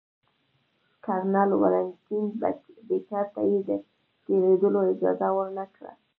کرنل ولنټین بېکر ته یې د تېرېدلو اجازه ورنه کړه.